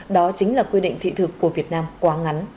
đó chính là quy định thị thực của việt nam quá ngắn